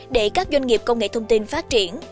để các doanh nghiệp công nghệ thông tin phát triển